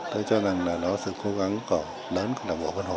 thế cho rằng là nó sự cố gắng còn lớn của đảng bộ quân hồ